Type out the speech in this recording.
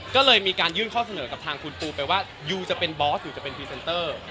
ก็เลยมีการยื่นข้อเสนอกับทางคุณปูไปว่ายูจะเป็นบอสหรือจะเป็นพรีเซนเตอร์